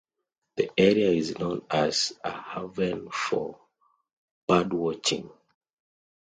The area is known as a haven for birdwatching.